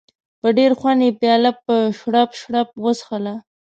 په ډېر خوند یې پیاله په شړپ شړپ وڅښله.